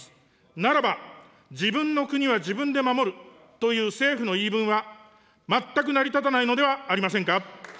ならば、自分の国は自分で守るという政府の言い分は、全く成り立たないのではありませんか。